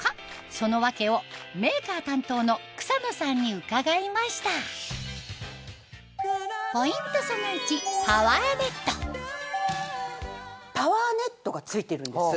その訳をメーカー担当の草野さんに伺いましたパワーネットが付いてるんです。